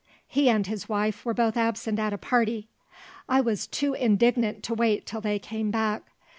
He and his wife were both absent at a party. I was too indignant to wait till they came back.